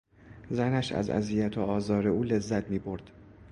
زنش از اذیت و آزار او لذت میبرد.